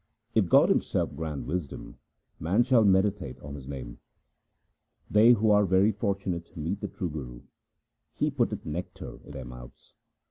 If God Himself grant wisdom, man shall meditate on His name. They who are very fortunate meet the true Guru ; he putteth nectar into their mouths.